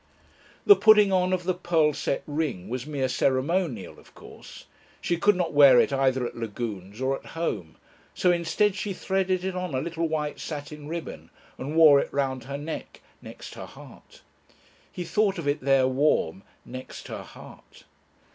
The putting on of the pearl set ring was mere ceremonial, of course; she could not wear it either at Lagune's or at home, so instead she threaded it on a little white satin ribbon and wore it round her neck "next her heart." He thought of it there warm "next her heart."